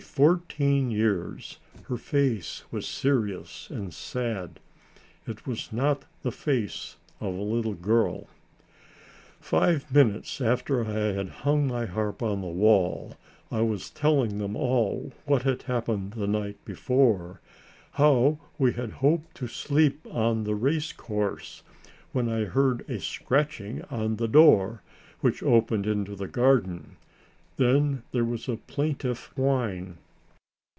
At fourteen years her face was serious and sad. It was not the face of a little girl. Five minutes after I had hung my harp on the wall, I was telling them all what had happened the night before, how we had hoped to sleep on the race course, when I heard a scratching on the door which opened onto the garden; then there was a plaintive whine.